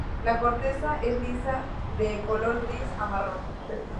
La corteza es lisa y de color gris a marrón.